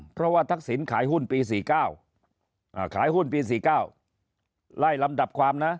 เพราะว่าทักษิณขายหุ้นปี๔๙ขายหุ้นปี๔๙ไล่ลำดับความนะ